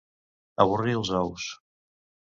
Avorrir els ous.